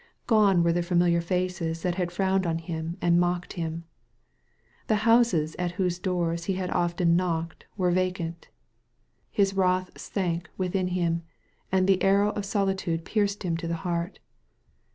Gone were the familiar faces that had frowned on him and mocked him. The houses at whose doors he had often knocked were vacant. His wrath sank within him» and the arrow of solitude pierced him to the heart.